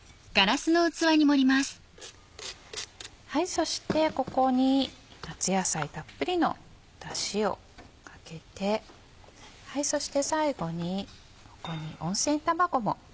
そしてここに夏野菜たっぷりのだしをかけてそして最後にここに温泉卵も。